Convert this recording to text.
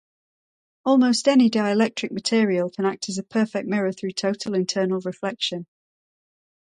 Almost any dielectric material can act as a perfect mirror through total internal reflection.